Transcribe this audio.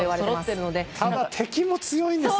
ただ、敵も強いんですよ。